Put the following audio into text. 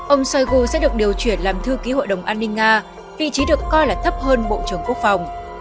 ông shoigu sẽ được điều chuyển làm thư ký hội đồng an ninh nga vị trí được coi là thấp hơn bộ trưởng quốc phòng